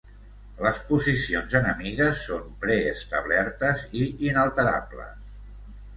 Les posicions enemigues són preestablertes i inalterables.